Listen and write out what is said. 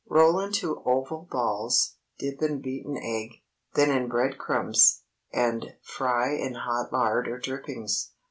Roll into oval balls, dip in beaten egg, then in bread crumbs, and fry in hot lard or drippings.